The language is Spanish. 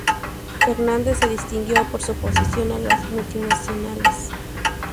Fernandes se distinguió por su oposición a las multinacionales.